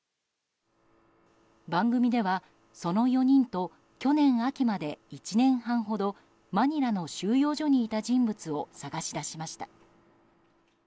番組では、その４人と去年秋まで１年半ほどマニラの収容所にいた人物を探し出しました。